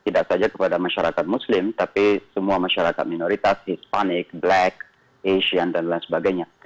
tidak saja kepada masyarakat muslim tapi semua masyarakat minoritas hispanik black asian dan lain sebagainya